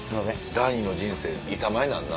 第二の人生板前になるな。